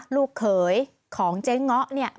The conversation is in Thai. ลูกเขยของเจ๊ง้อเนี่ย